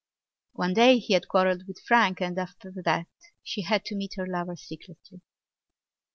One day he had quarrelled with Frank and after that she had to meet her lover secretly.